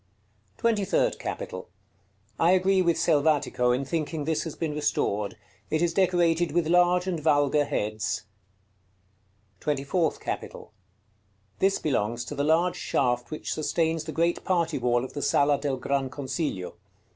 TWENTY THIRD CAPITAL. I agree with Selvatico in thinking this has been restored. It is decorated with large and vulgar heads. § CXXIII. TWENTY FOURTH CAPITAL. This belongs to the large shaft which sustains the great party wall of the Sala del Gran Consiglio.